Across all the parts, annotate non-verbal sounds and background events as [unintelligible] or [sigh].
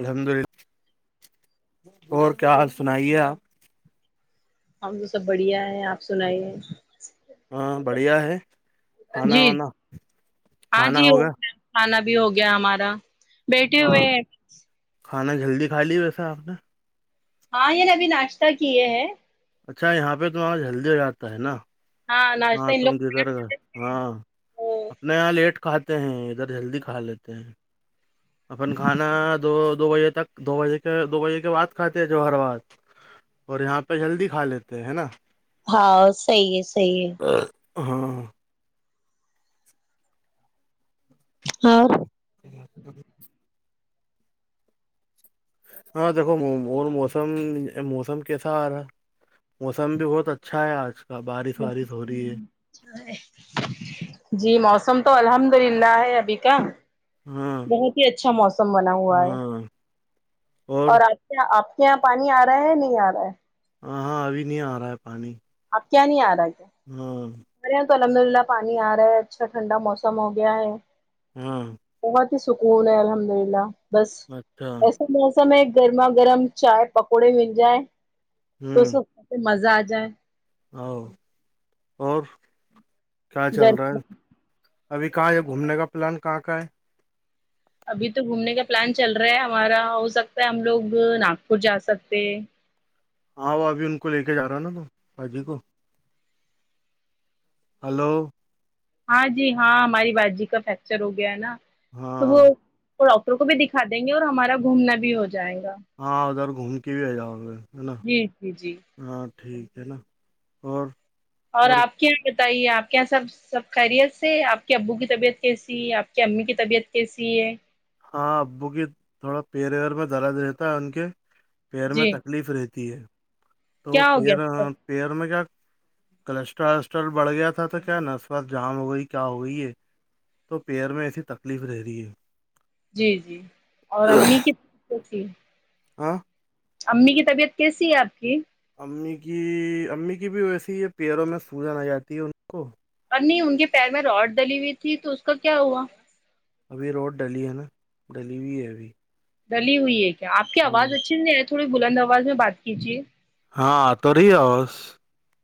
الحمد للہ اور کیا حال سنائیے آپ ہم تو سب بڑھیا ہے آپ سنائیے ہاں بڑھیا ہے کھانا جی وانا ہاں کھانا جی ہو ہوگا گیا کھانا بھی ہو گیا ہمارا بیٹھے ہاں ہوئے ہیں کھانا جلدی کھا لی ویسا آپ نے ہاں یہ نبھی ناشتہ کیے ہیں اچھا یہاں پہ توم آج جلدی ہو جاتا ہے نا ناشتہ ہاں ان تم لوگ د سر کھانا گا کھاتے تھے ہاں [inaudible] تو نیا لیٹ کھاتے ہیں ادھر جلدی کھا لیتے ہیں ہ [inaudible] [inaudible] اپن کھانا دو دو بجے تک دو بجے کے دو بجے کے بعد کھاتے ہیں جو ہر بات اور یہاں پہ جلدی کھا لیتے ہے نا ہاں صحیح ہے صحیح ہے اور [unintelligible] [unintelligible] ہاں [inaudible] اور [unintelligible] [unintelligible] ا [inaudible] [inaudible] ہاں دیکھو مو مون موسم موسم کیسا آ رہا ہے موسم بھی بہت اچھا ہے آج کا بارس وارس ہو رہی ہے جی موسم تو الحمد للہ ہے ابھی کا ہاں بہت ہی اچھا موسم بنا ہوا ہے ہاں اور آج کیا آپ کے یہاں پانی آ رہا ہے یا نہیں آ رہا ہے ہاں ہاں ابھی نہیں آ رہا ہے پانی اب کیا نہیں آ رہا کیا ہوں [inaudible] ہمارے یہاں تو الحمد للہ پانی آ رہا ہے اچھا ٹھنڈا موسم ہو گیا ہے ہوں [inaudible] بہت ہی سکون ہے الحمد للہ بس اچھا [inaudible] ایسے موسم ہے گرما گرم چائے پکوڑے من جائ تو س مزہ آ جائے ا اور کیا چل رہا گر ہے ابھی کہاں ہے گھومنے کا پلان کہاں کاں ہے ابھی تو گھومنے کا پلان چل رہا ہے ہمارا ہو سکتا ہے ہم لوگ ناگپور جا سکتے ہیں ہاں وہ ابھی ان کو لے کے جا رہا ہے نا تو باجی کو ہلو ہاں جی ہاں ہماری باجی کا فریکچر ہو گیا ہے نا تو وہ ہاں تو ڈاکٹر کو بھی دکھا دیں گے اور ہمارا گھومنا بھی ہو جائے گا ہاں ادھر گھوم کے بھی آ جاؤ گے ہے نا جی جی جی ہاں ٹھیک ہے نا اور اور آپ کیا بتائیے آپ کیا یہ سب سب خیریت سے آپ کے ابو کی طبیعت کیسی ہے آپ کی امی کی طبیعت کیسی ہے ہاں ابو کی تھوڑا پییر ویر میں درد رہتا ہے ان کے پیر میں جی تک تکلیف رہتی ہے تو وہ کیا ہو گیا پیر تھا؟ پیر میں کیا کلسٹرول وسٹرول بڑھ گیا تھا تو کیا نس وس جام ہو گئی کیا ہوئی یہ تو پییر میں ایسی تکلیف رہ رہی ہے جی جی اور امی کس سے تھی [inaudible] ہاں- امی کی طبیعت کیسی ہے آپ کی? امی کی امی کی بھی ویسی ہے پیروں میں سوجن آ جاتی ہے ان کو- اور نہیں ان کے پیر میں روڈ ڈلی ہوئی تھی تو اس کا کیا ہوا- ابھی روڈ ڈلی ہے نا ڈلی بھیئی ہے ابھی- ڈلی ہوئی ہے کیا آپ کی آواز اچھی نہیں ہے تھوڑی بلند آواز میں بات کیجیے- ہاں تو رہی آوس-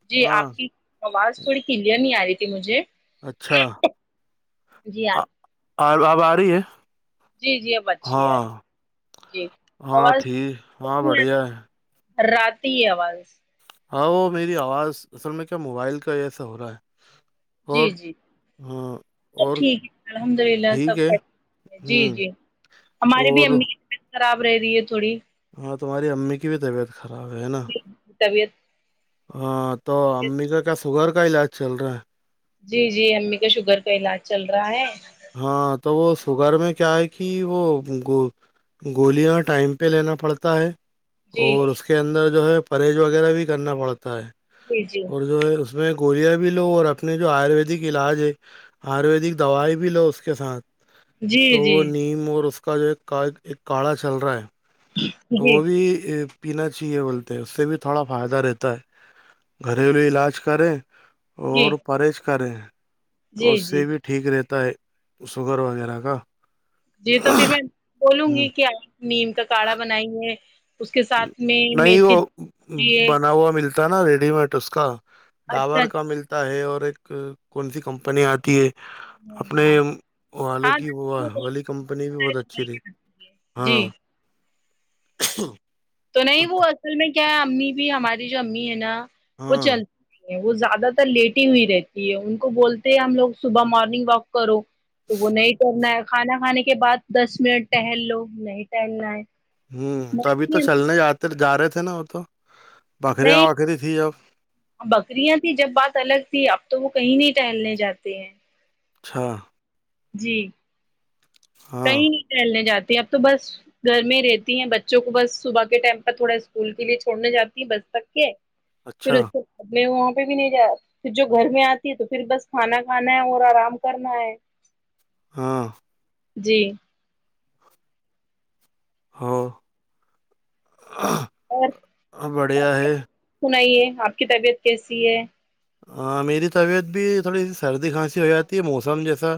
جی آپ کی آواز تھوڑی کلیئر نہیں آ رہی تھی مجھے- اچھا، جی ہاں اب آ رہی ہے جی-جی اب اچھی آ ہاں رہی جی ہاں آواز ٹھیک ہاں کنی- بڑھیا ہے رات آواز ہاں وہ میری آواز اصل میں کیا موبائل کا ایسا ہو رہا ہے- اور جی-جی ہاں سب اور ٹھیک ہے الحمد للہ ٹھیک ہے سب- ہوں جی-جی ہماری بھی اور امی کی طبیعت خراب رہ رہی ہے تھوڑی- ہاں تمہاری امی کی بھی طبیعت خراب ہے نا- طبیعت ہاں تو امی کا کیا سوگر کا علاج چل رہا ہے- جی-جی امی کا شوگر کا علاج چل رہا ہے- ہاں تو وہ سوگر میں کیا ہے کہ وہ گ- گولیاں ٹائم پہ لینا پڑتا ہے- جی اور اس کے اندر جو ہے پرہیز وغیرہ بھی کرنا پڑتا ہے جی جی اور جو ہے اس- اس میں گولیاں بھی لو اور اپنے جو آیورویدک علاج ہے آیورویدک دوائی بھی- بھی لو اس کے ساتھ جی تو وہ جی نیم اور اس کا جو ایک ایک کاڑھا چل رہا ہے- جی وہ بھی ا پینا چاہیے بولتے ہیں اس سے بھی تھوڑا فائدہ رہتا ہے گھریلو علاج کریں- جی اور پرہیز کریں تو جی اس جی سے بھی ٹھیک رہتا ہے- شوگر وغیرہ کا- جی تو پھر میں بولوں ہ گی کہ آپ نیم کا کاڑھا بنائے- نہیں وہ بنا ہوا ملتا- تھا نا ریڈی مٹ اس کا اچھا ڈابر کا ملتا- تا ہے اور ایک کون سی کمپنی آتی ہے- اپنے ہاں والوں ہاں کی والی کمپنی بھی بہت اچھی تھی- جی ہاں تو نہیں وہ اصل میں کیا ہے امی بھی ہماری جو امی ہے نا وہ ہاں چلتی- نہیں وہ زیادہ تر لیٹ ہی ہوئی رہتی ہے ان کو بولتے ہیں ہم لوگ صبح مارننگ واک کرو- تو وہ نہیں ٹرنا ہے کھانا کھانے کے بعد دس منٹ ٹہل لو نہیں ٹہلنا ہے- ہوں تو ابھی تو چلنے جے جا رہے تھے نا وہ تو بکریاں نہیں وکری تھی اب- بکریاں تھی جب بات الگ تھی اب تو وہ کہیں نہیں ٹہلنے جاتے ہیں- چھ جی ہاں کہیں نہیں ٹہلنے جاتی اب تو بس- گھر میں رہتی ہیں بچوں کو بس صبح کے ٹائم پر تھوڑا اسکول کے لیے چھوڑنے جاتی بس تک کے- پھر اچھا اس میں وہاں پہ بھی نہیں جا پھر جو گھر میں آتی ہے تو پھر بس کھانا کھانا ہے اور آرام کرنا ہے- ہاں- جی- ہو اور بڑھیا ہے سنائیے آپ کی طبیعت کیسی ہے میری طبیعت بھی تھوڑی سی سردی کھانسی ہو جاتی ہے موسم جیسا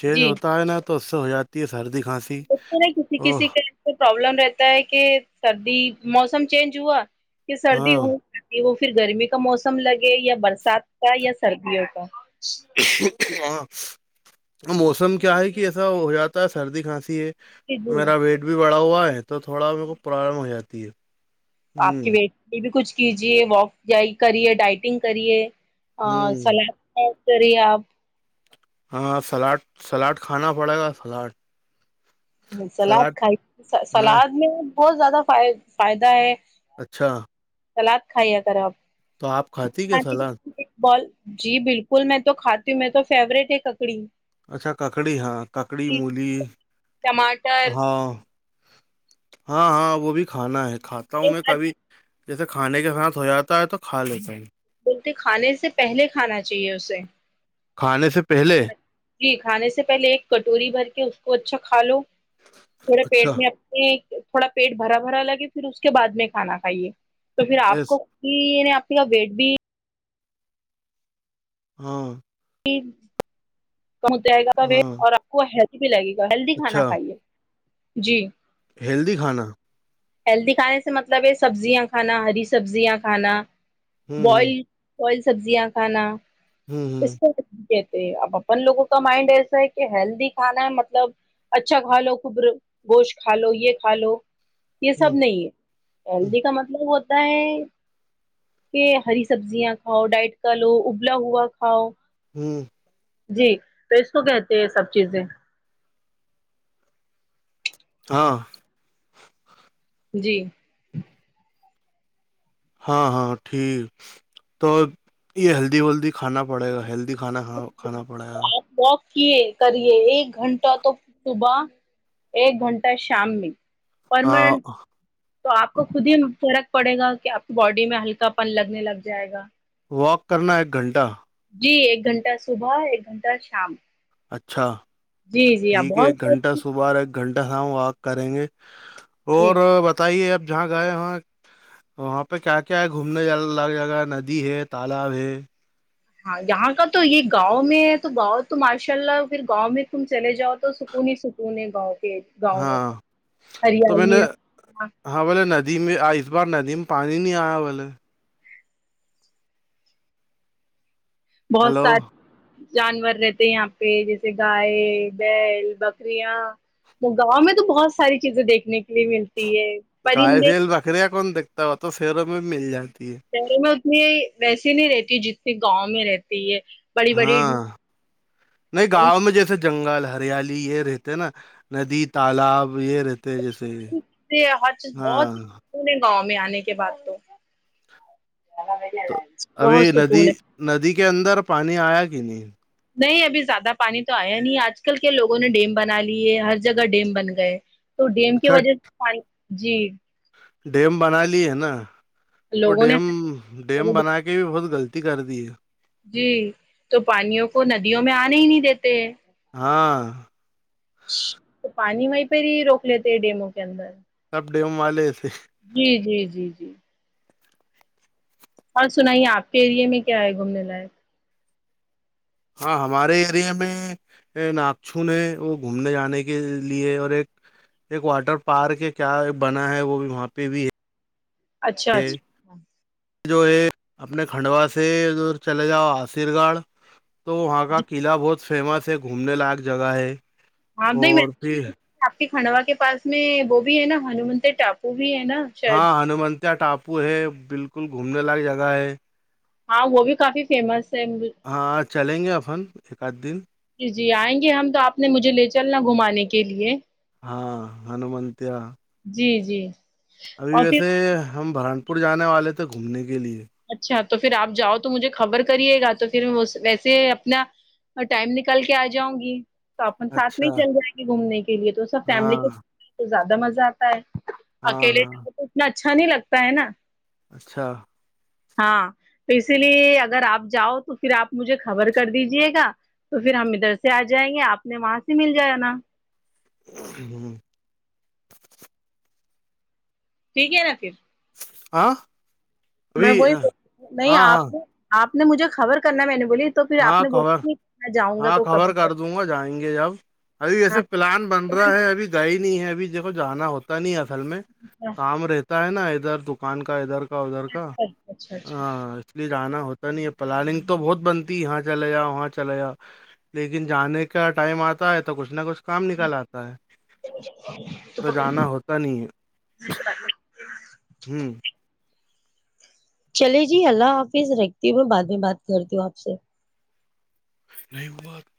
چینج جی ہوتا ہے نا تو اس سے ہو جاتی ہے سردی کھانسی بتے ہیں کسی او کسی کے [inaudible] پرابلم رہتا ہے کہ سردی موسم چینج ہوا کہ سردی ہاں ہو کہ وہ پھر گرمی کا موسم لگے یا برسات کا یا سردیوں کا ہاں موسم کیا ہے کہ ایسا ہو جاتا ہے سردی کھانسی ہے جی میرا ویٹ بھی بڑا ہوا ہے تو تھوڑا میر کو پرابلم ہو جاتی ہے آپ ہوں کے ویٹ پہ بھی کچھ کیجیے واک کریے ڈائٹنگ کریے ہوں سلاد کرذعے آپ [inaudible] ہاں سلاڈ سلاڈ کھانا پڑے گا سلاڈ سلاد سلاڈ کھائی ہاں سلاد میں بہت زیادہ ف فائدہ ہے اچھا سلاد کھائییا کر آپ تو آپ کھاتی کیا سلاد بل جی بلکل میں تو کھاتی ہوں میں تو فیوریٹ ہی ککڑی ہوں اچھا ککڑی ہاں ککڑی مولی ٹماٹر ہاں ہاں ہاں وہ بھی کھانا ہے کھاتا ہوں میں کبھی جیسے کھانے کے ساتھ ہو جاتا ہے تو کھا لیتا ہوں بولتے کھانے سے پہلے کھانا چاہیے اسے کھانے سے پہلے جی کھانے سے پہلے ایک کٹوری بھر کے اس کو اچھا کھا لو تھوڑے اچھا پیٹ میں تھوڑا پیٹ بھرا بھرا لگے پھر اس کے بعد میں کھانا کھائیے تو پھر آپ ایس کو کہ عنی آپسی کا ویٹ بھی [inaudible] ہاں جی [inaudible] پہنچ جائے گا آپ کا ویٹ ہاں اور آپ کو ہیلدی بھی لگے گا ہیلدی کھانا اچھا کھائیے جی ہیلدی کھانا ہیلدی کھانے سے مطلب ہے سبزیاں کھانا ہری سبزیاں کھانا ہوں ہوں بوائلڑ بوائلڑ سبزیاں کھانا ہوں اس ہوں کو کہتے اب ان لوگوں کا مائنڈ ایسا ہے کہ ہیلدی کھانا ہے مطلب اچھا کھالو کبر گوشت کھالو یہ کھالو یہ سب نہیں ہے ہیلدی کا مطلب ہوتا ہے یہ ہری سبزیاں کھاؤ ڈائٹ کا لو ابلا ہوا کھاؤ ہیم جی تو اس کو کہتے ہیں سب چیزیں ہاں جی ہاں ہاں ٹھیک تو یہ ہیلدی ویلدی کھانا پڑے گا ہیلدی کھانا کھا کھانا پڑے گا آپ واک کیے کرئے ایک گھنٹہ تو صبح ایک گھنٹہ شام میں ہاں پرماننٹ تو آپ کو خود ہی فرق پڑے گا کہ آپ کی باڈی میں ہلکا پن لگنے لگ جائے گا واک کرنا ایک گھنٹہ جی ایک گھنٹہ صبح ایک گھنٹہ شام اچھا جی جی آپ ٹھیک ہے ایک بہت گھنٹہ صبح ایک گھنٹہ شام واک کریں گے جی اور بتائیے اب جہاں گئے وہاں وہاں پہ کیا کیا ہے گھومنے الگ جگہ ندی ہے تالاب ہے ہاں یہاں کا تو یہ گاؤں میں ہے تو گاؤں تو ماشاء اللہ پھر گاؤں میں تم چلے جاؤ تو انی سکون ہے گاؤں کے گاؤں میں ہاں تو میں نے ہریالی ہے ہاں بولے ندی میں اس بار ندی میں پانی نہیں آیا بلے بہت ہلو ساری جانور رہتے یہاں پہ جیسے گائے بیل بکریاں گاؤں میں تو بہت ساری چیزیں دیکھنے لیے ملتی ہے گائے پرندے بھیل بکریاں کون دیکھتا ہے وہ تو شہروں میں مل جاتی ہے شہروں میں اتنی ویسی نہیں رہتی جتنی گاؤں میں رہتی ہے بڑی بڑی ہاں نہیں گاؤں میں جیسے جنگل ہریالی یہ رہتے ہے نا ندی تالاب یہ رہتے ہیں جیسے تے ہر چیز بہت ہاں [unintelligible] گاؤں میں آنے کے بعد تو تو ابھی بہت ندی سکون ہے ندی کے اندر پانی آیا کہ نہیں نہیں ابھی زیادہ پانی تو آیا نہیں آج کل کے لوگوں نے ڈیم بنا لیے ہر جگہ ڈیم بن گئے تو ڈیم کی اچھا وجہ سے پانی جی ڈیم بنا لی ہے نا وہ لوگوں نے ڈیم ڈیم بنا کیول غلطی کر دی ہے جی تو پانیوں کو ندیوں میں آنے ہی نہیں دیتے ہیں ہاں تو پانی وہیں پہ ہی روک لیتے ہیں ڈیموں کے اندر سب ڈیم والے تھے جی جی جی جی اور سنائیے آپ کے ایریے میں کیا ہے گھومنے لائق ہاں ہمارے ایریے میں ناکچن ہے وہ گھومنے جانے کے لیے اور ایک ایک واٹر پارک ہے کیا بنا ہے وہ بھی وہاں پہ بھی ہے اچھا اچھا جو ہے اپنے کھنڈوا سے ادھر چلے جاؤ آشر گنڑھ تو وہاں کا قلعہ بہت فیمس ہے گھومنے لائق جگہ ہے ہاں نہیں اور پھر آپ کے کھنڈوا کے پاس میں وہ بھی ہے نا ہنومنتیا ٹاپو بھی ہے نا شاید ہاں ہنومنتیا ٹاپو ہے بلکل گھومنے لائق جگہ ہے ہاں وہ بھی کافی فیمس ہے ہاں چلیں گے اپن ایک آدھ دن جی جی آئیں گے ہم تو آپ نے مجھے لے چلنا گھمانے کے لیے ہاں ہنومت [unintelligible] جی جی ابھی اور پھر ویسے ہم برہانپور جانے والے تھے گھومنے کے لیے اچھا تو پھر آپ جاؤ تو مجھے خبر کریے گا تو پھر ویسے اپنا اور ٹائم نکال کے آ جاؤں گی تو اپن ساتھ میں اچھا ہی چل جائیں گے گھومنے کے لیے تو سب فیملی ہاں کے ساتھ تو زیادہ مزہ آتا ہے ہاں اکیلے ہاں چا تو اتنا اچھا نہیں لگتا ہے نا اچھا ہاں تو اسی لیے اگر آپ جاؤ تو پھر آپ مجھے خبر کر دیجیے گا تو پھر ہم ادھر سے آ جائیں گے آپ نے وہاں سے مل جا نا- [unintelligible] ٹھیک ہے نا پھر- آاں میں وہی نہیں ہاں آپ نے آپ نے مجھے خبر کرنا ہے مینولی- ہاں خبر ہاں کب خبر کر دوں گا جائیں گے جب- ابھی اییسے ہاں پلان بن رہا ہے ابھی- گ ہی نہیں ہے ابھی دھو جانا ہوتا نہیں ہے اصل میں کام رہتا ہے نا ادھر دکان کا ادھر کا- کا ادھر کا اچھا اچھا ہ اس لیے جانا ہوتا نہیں ہے پلاننگ تو بہت بن- یہاں چلے جاؤ وہاں چلے جا لیکن جانے کا ٹائم آتا ہے تو کچھ نہ کچھ- کام نکال آتا ہے تو جانا ہوتا- ک نہیں ہے ہوں- چلے جی اللہ حافظ رکھتی ہوں میں بعد میں بات کرتی ہوں آپ سے- نہیں وہ بات-